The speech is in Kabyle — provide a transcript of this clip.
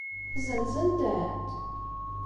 Zenzent-tent?